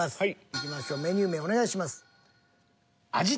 いきましょうメニュー名お願いします。